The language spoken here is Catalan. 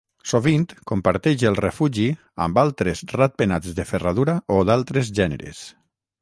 Sovint comparteix el refugi amb altres ratpenats de ferradura o d'altres gèneres.